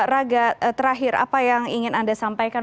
raga terakhir apa yang ingin anda sampaikan